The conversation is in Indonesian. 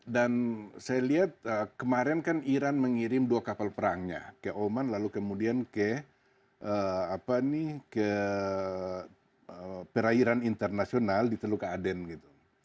dan saya lihat kemarin kan iran mengirim dua kapal perangnya ke oman lalu kemudian ke perairan internasional di teluk aden gitu